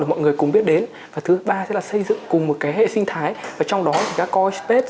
để mọi người cùng biết đến và thứ ba sẽ là xây dựng cùng một cái hệ sinh thái và trong đó thì các coispace